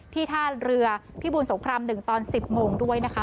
ที่ท่าเรือพิบูรณ์สกรรม๑ตอน๑๐โมงด้วยนะคะ